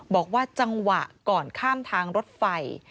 บอกว่าจังหวะก่อนข้ามทางรถไฟ